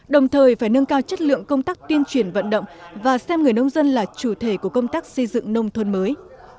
đồng thời phải nâng cao chất lượng công tác tuyên truyền vận động và xem người nông dân là chủ thể của công tác xây dựng nông thôn mới